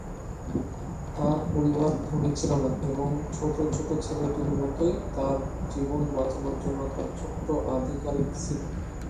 তার পরিবার ধনী ছিল না এবং ছোটো ছোটো ছেলেটির মতোই তার জীবন বাঁচানোর জন্য তার ছোট্ট আধিকারিক ছিল।